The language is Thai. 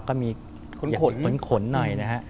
ก็มีขนหน่อยนะฮะ